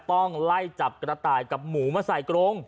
ต้องไล่จับกระต่ายกับหมูมาใส่กรง